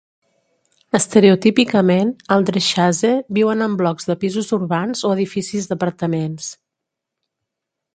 Estereotípicament, el dresiarze viuen en blocs de pisos urbans o edificis d'apartaments.